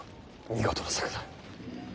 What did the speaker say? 見事な策だ。